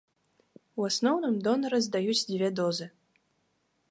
У асноўным донары здаюць дзве дозы.